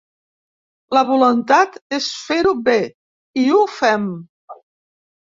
La voluntat és fer-ho bé i ho fem.